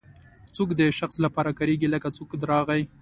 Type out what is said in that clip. څوک د شخص لپاره کاریږي لکه څوک راغی.